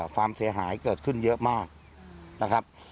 ความเสียหายเกิดขึ้นเยอะมากนะครับ